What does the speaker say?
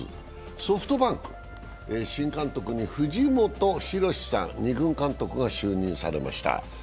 ソフトバンク、新監督に藤本博史さん、２軍監督が就任されました。